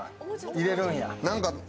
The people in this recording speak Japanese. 入れるんやな。